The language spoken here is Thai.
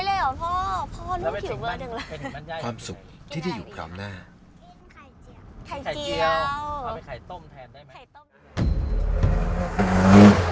เอาเอาไปไข่ต้มแทนได้มั้ย